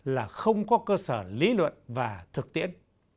là không có cơ sở lý luận và thực tiễn